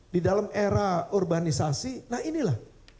di dalam era urbanisasi nah inilah